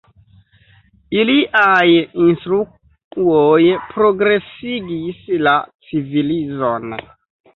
Iliaj instruoj progresigis la civilizon.